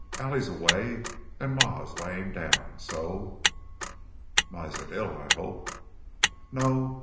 Allie's away an' Ma's layin' down, so " "Ma isn't ill, I hope?" "N no.